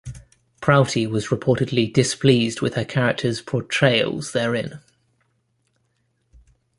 Prouty was reportedly displeased with her characters' portrayals therein.